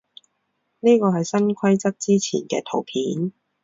呢個係新規則之前嘅圖片